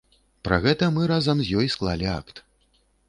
Пра гэта мы разам з ёй склалі акт.